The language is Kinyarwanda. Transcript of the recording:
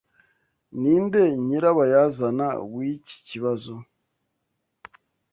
Ninde nyirabayazana w'iki kibazo?